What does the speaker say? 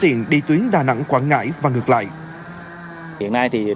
tuyến đi tuyến đà nẵng quảng ngãi và ngược lại